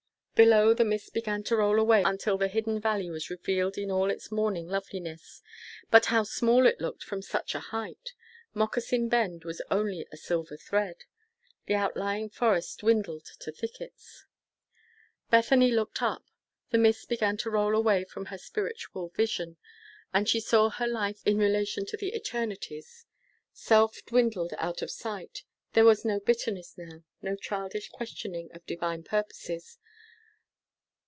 Below, the mists began to roll away until the hidden valley was revealed in all its morning loveliness. But how small it looked from such a height! Moccasin Bend was only a silver thread. The outlying forests dwindled to thickets. Bethany looked up. The mists began to roll away from her spiritual vision, and she saw her life in relation to the eternities. Self dwindled out of sight. There was no bitterness now, no childish questioning of Divine purposes.